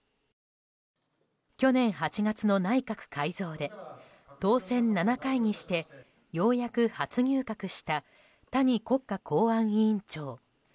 去年８月の内閣改造で当選７回にしてようやく初入閣した谷国家公安委員長。